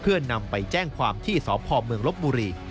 เพื่อนำไปแจ้งความที่สพเมืองลบบุรี